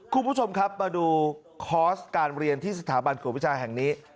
คุณผู้ชมครับมาดูคอร์สการเรียนที่สถาบันกวดวิชาแห่งนี้